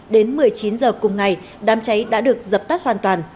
đến một mươi chín h cùng ngày đám cháy đã được dập tắt hoàn toàn